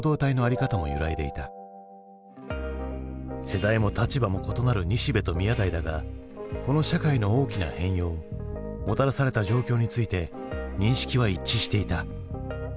世代も立場も異なる西部と宮台だがこの社会の大きな変容もたらされた状況について認識は一致していた。